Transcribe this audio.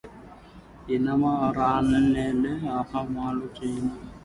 ఐనవారినెల్ల అవహేళనము చేసి